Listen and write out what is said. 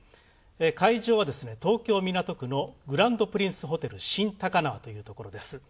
会場は東京・港区のグランドプリンスホテル新高輪というところです。